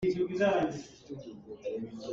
Palik na si.